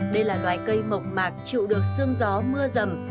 đây là loài cây mộng mạc chịu được sương gió mưa rầm